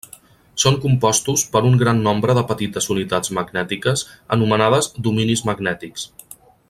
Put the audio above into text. Són compostos per un gran nombre de petites unitats magnètiques anomenades dominis magnètics.